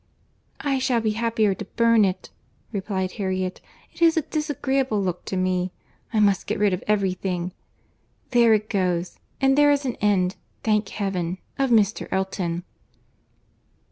"I shall be happier to burn it," replied Harriet. "It has a disagreeable look to me. I must get rid of every thing.—There it goes, and there is an end, thank Heaven! of Mr. Elton."